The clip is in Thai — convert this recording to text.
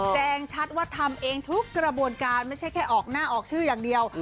แจ้งชัดว่าทำเองทุกกระบวนการไม่ใช่แค่ออกหน้าออกชื่ออย่างเดียว